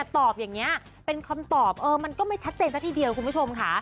ตอบอย่างนี้เป็นคำตอบมันก็ไม่ชัดเจนซะทีเดียวคุณผู้ชมค่ะ